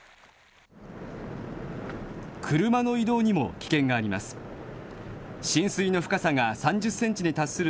車の移動にも危険があります。